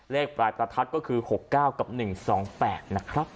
เลขปลายประทัดก็คือ๖๙กับ๑๒๘นะครับ